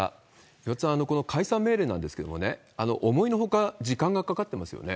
岩田さん、この解散命令なんですけどね、思いのほか時間がかかってますよね。